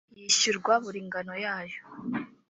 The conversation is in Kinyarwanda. yishyurwa buri nganoyayo.